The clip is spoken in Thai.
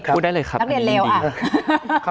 พูดได้เลยครับนักเรียนเร็วอ่ะ